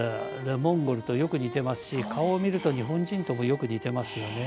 モンゴルとよく似ていますし顔を見ると日本人ともよく似ていますよね。